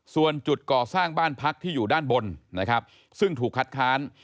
ส่วนจุดก่อสร้างบ้านพักที่อยู่ด้านบนนะครับซึ่งถูกคัดค้าน